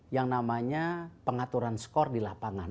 yang namanya pengaturan skor di lapangan